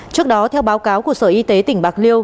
trước đó theo báo cáo của sở y tế tỉnh bạc liêu